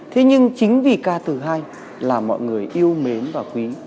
thế nhưng chính vì ca từ hay là mọi người yêu mến và quý